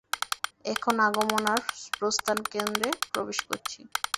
এখন আগমন আর প্রস্থান কেন্দ্রে প্রবেশ করছি।